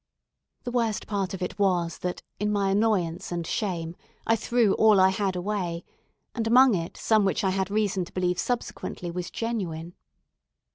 The worst part of it was that, in my annoyance and shame, I threw all I had away, and among it some which I had reason to believe subsequently was genuine.